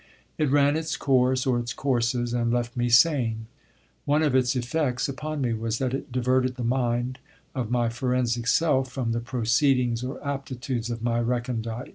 It ran its course or its courses and left me sane. One of its effects upon me was that it diverted the mind of my forensic self from the proceedings or aptitudes of my recondite.